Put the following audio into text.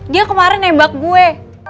dia kemarin nebak gue